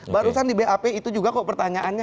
barusan di bap itu juga kok pertanyaannya